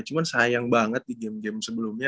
cuma sayang banget di game game sebelumnya